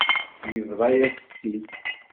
Yebḍa-yas-tt-id.